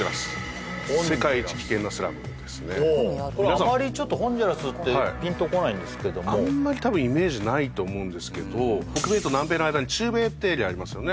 あまりホンジュラスってピンとこないんですけどもあんまり多分イメージないと思うんですけど北米と南米の間に中米ってエリアありますよね